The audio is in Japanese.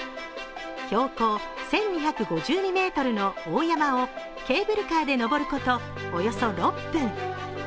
標高１２５２ｍの大山をケーブルカーで登ることおよそ６分。